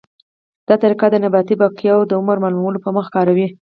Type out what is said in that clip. دا طریقه د نباتي بقایاوو د عمر معلومولو په موخه کاروي.